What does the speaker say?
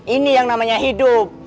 ini yang namanya hidup